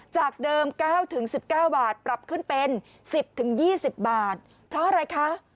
จากเดิมเก้าถึงสิบเก้าบาทปรับขึ้นเป็นสิบถึงยี่สิบบาทเพราะอะไรคะ